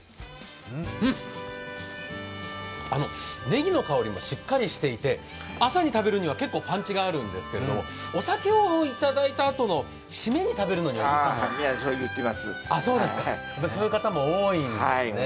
ネギの香りもしっかりしていて朝に食べるには結構、パンチがあるんですけれどもお酒をいただいたあとの締めに食べるにはいいですね。